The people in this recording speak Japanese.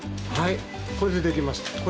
はいこれでできました。